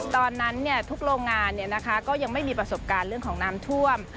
ตอนนั้นทุกโรงงานก็ยังไม่มีประสบการณ์เรื่องของน้ำท่วม